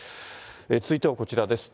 続いてはこちらです。